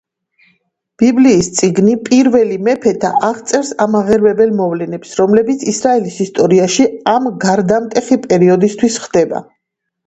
ბიბლიის წიგნი „პირველი მეფეთა“ აღწერს ამაღელვებელ მოვლენებს, რომლებიც ისრაელის ისტორიაში ამ გარდამტეხი პერიოდისთვის ხდება.